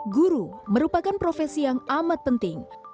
guru merupakan profesi yang amat penting